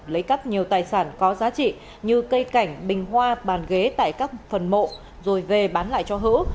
lấy cắp nhiều tài sản có giá trị như cây cảnh bình hoa bàn ghế tại các phần mộ rồi về bán lại cho hữu